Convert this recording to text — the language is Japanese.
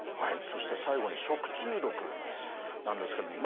そして最後に食中毒なんですけども。